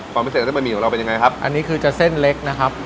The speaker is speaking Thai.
ความพิเศษเส้นบะหมี่ของเราเป็นยังไงครับอันนี้คือจะเส้นเล็กนะครับ